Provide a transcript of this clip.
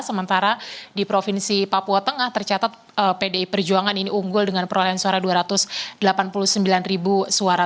sementara di provinsi papua tengah tercatat pdi perjuangan ini unggul dengan perolehan suara dua ratus delapan puluh sembilan ribu suara